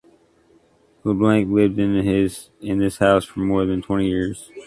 Leblanc lived in this house for more than twenty years.